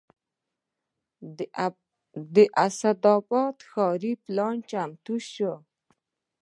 د اسداباد ښاري پلان چمتو شوی